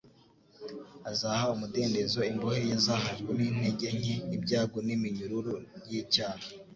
Azaha umudendezo imbohe yazahajwe n’intege nke, ibyago n’iminyururu y’icyaha.